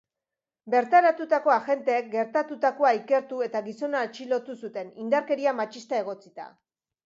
Bertaratutako agenteek gertatutakoa ikertu eta gizona atxilotu zuten, indarkeria matxista egotzita.